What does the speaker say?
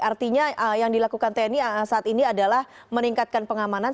artinya yang dilakukan tni saat ini adalah meningkatkan pengamanan